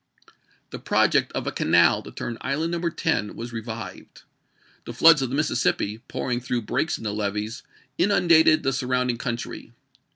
The project of a canal to turn Island No. 10 was BiHsVif! revived.^ The floods of the Mississippi, pouring iw/^SV/k. through breaks in the levees, inundated the sur p. 025. " rounding country.